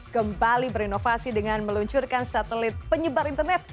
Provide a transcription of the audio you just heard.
kembali berinovasi dengan meluncurkan satelit penyebar internet